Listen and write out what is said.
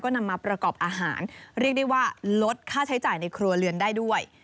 นำมาประกอบอาหารเรียกได้ว่าลดค่าใช้จ่ายในครัวเรือนได้ด้วย